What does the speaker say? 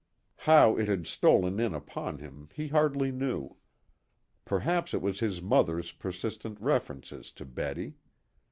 How it had stolen in upon him he hardly knew. Perhaps it was his mother's persistent references to Betty.